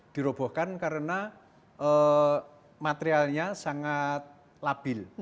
dirobohkan karena materialnya sangat labil